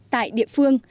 tại địa phương